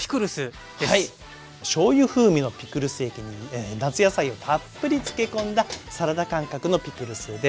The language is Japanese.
しょうゆ風味のピクルス液に夏野菜をたっぷり漬け込んだサラダ感覚のピクルスです。